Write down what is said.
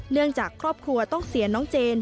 เนื่องจากครอบครัวต้องเสียน้องเจน